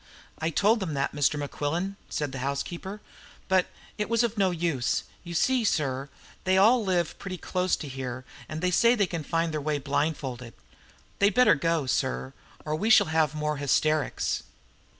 "I told them that, Mr. Mequillen," said the housekeeper, "but it was of no use. You see, sir, they all live pretty close to here, and they say they can find their way blindfolded. They'd better go, sir, or we shall have more hysterics."